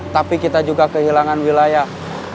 tapi kita juga kehilangan wilayah